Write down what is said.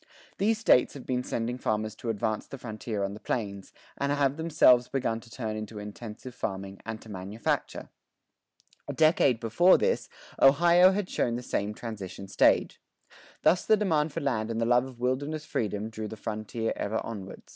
These States have been sending farmers to advance the frontier on the plains, and have themselves begun to turn to intensive farming and to manufacture. A decade before this, Ohio had shown the same transition stage. Thus the demand for land and the love of wilderness freedom drew the frontier ever onward.